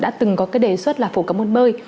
đã từng có cái đề xuất là phổ cấp muốn bơi